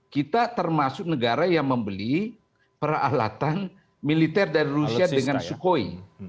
kita termasuk negara yang membeli peralatan militer dari rusia dengan sukhoi